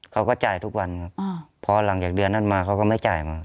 เขาก็จ่ายทุกวันพอหลังจากเดือนนั้นมาเขาก็ไม่จ่ายมา